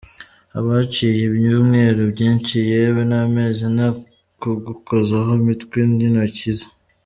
Haba haciye ibyumweru byinshi, yewe n’amezi, nta kugukozaho imitwe y’intoki ze ?